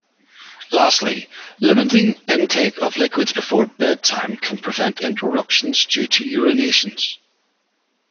Lastly, limiting intake of liquids before bedtime can prevent interruptions due to urinations.